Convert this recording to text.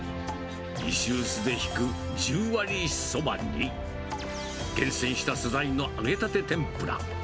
石うすでひく十割そばに、厳選した素材の揚げたて天ぷら。